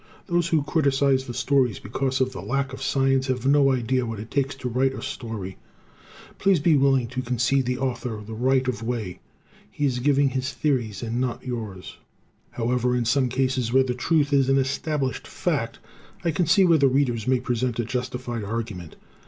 Those who criticize the stories because of the lack of science have no idea what it takes to write a story. Please be willing to concede the Author the right of way. He is giving his theories and not yours. However, in some cases where the truth is an established fact, I can see where the Readers may present a justified argument.